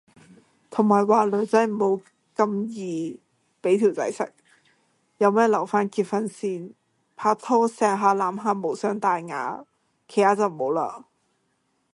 同埋話女仔唔好咁易俾條仔食，有咩留返結婚先，拍拖錫下攬下無傷大雅，其他就唔好嘞